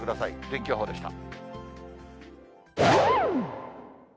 天気予報でした。